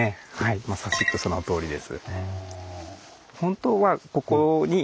まさしくそのとおりです。